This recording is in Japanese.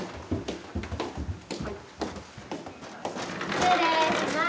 失礼します。